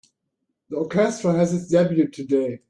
The orchestra has its debut today.